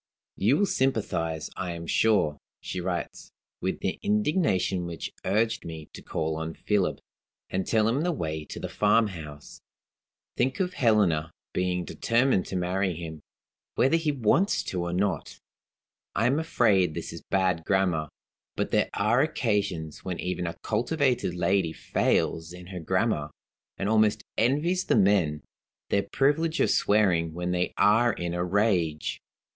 "You will sympathize, I am sure" (she writes), "with the indignation which urged me to call on Philip, and tell him the way to the farmhouse. Think of Helena being determined to marry him, whether he wants to or not! I am afraid this is bad grammar. But there are occasions when even a cultivated lady fails in her grammar, and almost envies the men their privilege of swearing when they are in a rage.